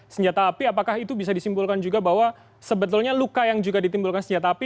senjata api apakah itu bisa disimpulkan juga bahwa sebetulnya luka yang juga ditimbulkan senjata api